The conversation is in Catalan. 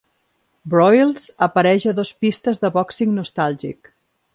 Broyles apareix a dos pistes de Boxing Nostalgic.